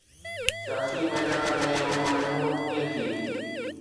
سياسي ميدان ۾ هوءَ محمود ڪيئن ٿي؟